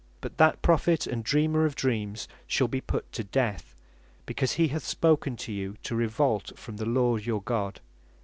But that Prophet and Dreamer of dreams shall be put to death, because he hath spoken to you to Revolt from the Lord your God."